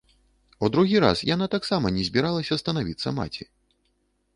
У другі раз яна таксама не збіралася станавіцца маці.